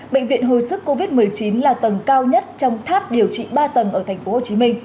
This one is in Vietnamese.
bệnh viện hồi sức covid một mươi chín là tầng cao nhất trong tháp điều trị ba tầng ở tp hcm